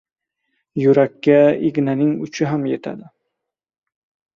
• Yurakka ignaning uchi ham yetadi.